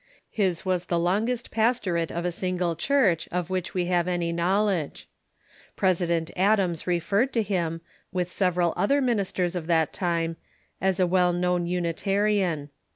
His was the longest Unitarians ^.^,^' pastorate of a single church of which we have any knowledge. President Adams referred to him, with several other ministers of that time, as a well known Unitarian.